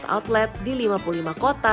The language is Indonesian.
dua ratus outlet di lima puluh lima kota